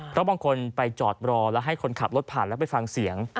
เพราะบางคนไปจอดรอแล้วให้คนขับรถผ่านแล้วไปฟังเสียง